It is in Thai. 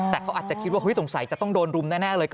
แต่เขาอาจจะคิดว่าสงสัยจะต้องโดนรุมแน่เลย